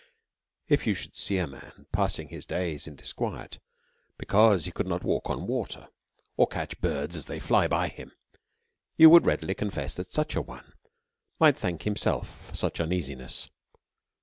If you should see a man passing his days in disquiet, because he could not walk upon the water, or catch birds as they fly by him, you would readily confess that such an one might thank himself for such uneasi ness.